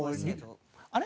あれ？